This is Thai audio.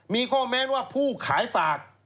มีข้อแม้ว่าผู้ขายฝาก